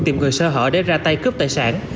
tìm người sơ hở để ra tay cướp tài sản